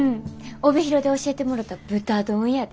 帯広で教えてもろた豚丼やで。